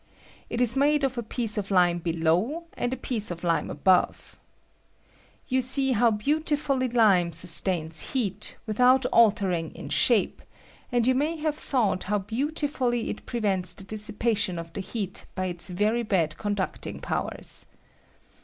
It is made of a piece of lime below and a piece of lime above. You sec how beautifully lime sustains heat without altering in shape; and you may have thought how beautifully it pre vents the dissipation of the heat by its very bad conducting powers.